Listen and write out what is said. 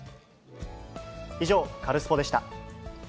以上、カルスポっ！でした。